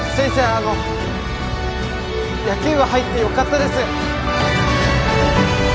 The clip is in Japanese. あの野球部入ってよかったです